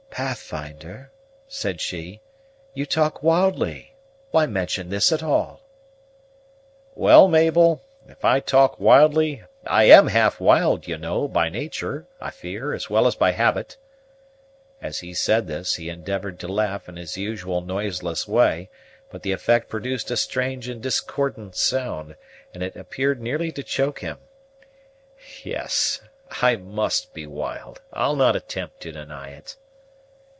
"Pathfinder," said she, "you talk wildly. Why mention this at all?" "Well, Mabel, if I talk wildly, I am half wild, you know, by natur', I fear, as well as by habit." As he said this, he endeavored to laugh in his usual noiseless way, but the effect produced a strange and discordant sound; and it appeared nearly to choke him. "Yes, I must be wild; I'll not attempt to deny it."